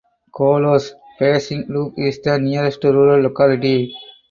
Kolos (passing loop) is the nearest rural locality.